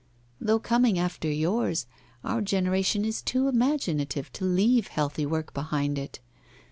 Though coming after yours, our generation is too imaginative to leave healthy work behind it.